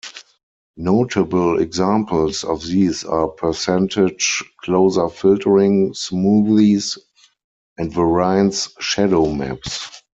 Notable examples of these are Percentage Closer Filtering, Smoothies, and Variance Shadow maps.